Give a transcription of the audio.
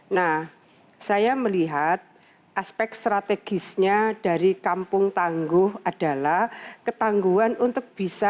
nah saya melihat aspek strategisnya dari kampung tangguh adalah ketangguhan untuk bisa